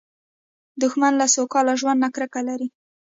دښمن له سوکاله ژوند نه کرکه لري